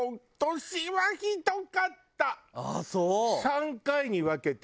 ３回に分けて。